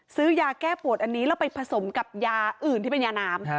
ซื้อยาแก้ปวดอันนี้แล้วไปผสมกับยาอื่นที่เป็นยาน้ำ